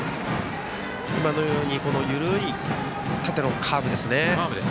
今のように緩い縦のカーブですね。